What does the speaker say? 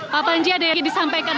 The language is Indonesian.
pak panji ada yang disampaikan